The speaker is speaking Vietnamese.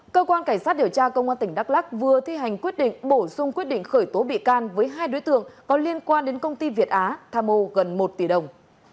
cơ quan cảnh sát điều tra công an tỉnh đắk lắc vừa thi hành quyết định bổ sung quyết định khởi tố bị can với hai đối tượng có liên quan đến công ty việt á tham ô gần một tỷ đồng